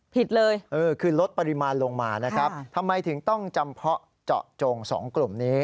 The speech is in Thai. ผิดเลยเออคือลดปริมาณลงมานะครับทำไมถึงต้องจำเพาะเจาะโจงสองกลุ่มนี้